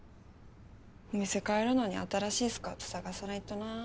お店替えるのに新しいスカウト探さないとな。